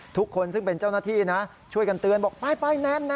ทุกคนซึ่งเป็นเจ้าหน้าที่นะช่วยกันเตือนบอกไปแน่นนะ